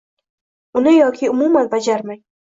Uni yoki umuman bajarmang